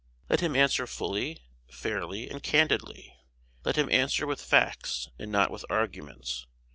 Let him answer fully, fairly, and candidly. Let him answer with facts, and not with arguments.